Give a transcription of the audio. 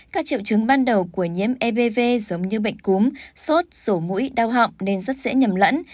các triệu chứng ban đầu của nhiễm ev giống như bệnh cúm sốt sổ mũi đau họng nên rất dễ nhầm lẫn